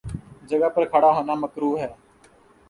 جگہ پر کھڑا ہونا مکروہ ہے۔